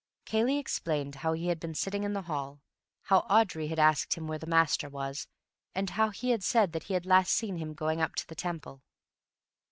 Cayley explained how he had been sitting in the hall, how Audrey had asked him where the master was, and how he had said that he had last seen him going up to the Temple.